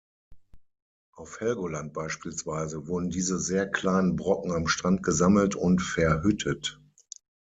Auf Helgoland beispielsweise wurden diese sehr kleinen Brocken am Strand gesammelt und verhüttet.